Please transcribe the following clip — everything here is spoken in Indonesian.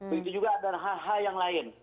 begitu juga ada yang lain